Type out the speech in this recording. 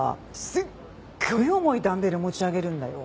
すっごい重いダンベル持ち上げるんだよ。